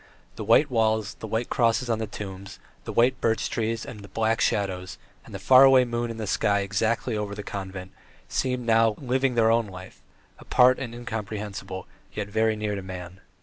The white walls, the white crosses on the tombs, the white birch trees and black shadows, and the far away moon in the sky exactly over the convent, seemed now living their own life, apart and incomprehensible, yet very near to man.